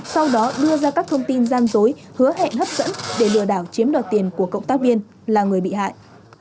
sau đó đưa ra các thông tin gian dối hứa hẹn hấp dẫn để lừa đảo chiếm đoạt tiền của cộng tác viên là người bị hại